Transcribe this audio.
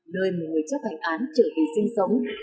nơi mà người chấp hành án trở về sinh sống